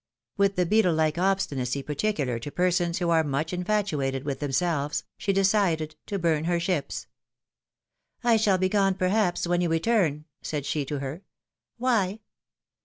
With the beetle like obstinacy particular to persons who are much infatuated with themselves, she decided to burn her ships. ^^I shall be gone, perhaps, when you return," said she to her. '^Why?"